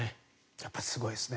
やっぱりすごいですね。